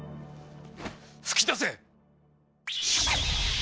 噴き出せ！